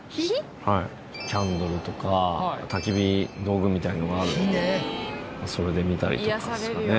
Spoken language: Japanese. キャンドルとか焚き火道具みたいなのがあるのでそれで見たりとかですかね。